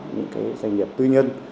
những doanh nghiệp tư nhân